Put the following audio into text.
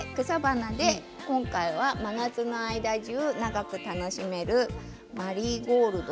今回は真夏の間中長く楽しめるマリーゴールド。